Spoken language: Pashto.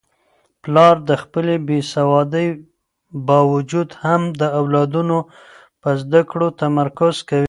پلار د خپلې بې سوادۍ باوجود هم د اولادونو په زده کړو تمرکز کوي.